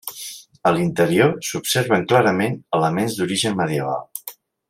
A l'interior s'observen clarament elements d'origen medieval.